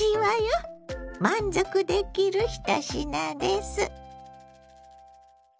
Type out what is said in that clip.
満足できる１品です。